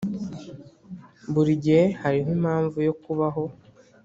buri gihe hariho impamvu yo kubaho.